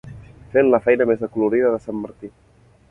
Fent la feina més acolorida de sant Martí.